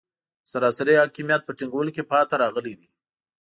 د سراسري حاکمیت په ټینګولو کې پاتې راغلي دي.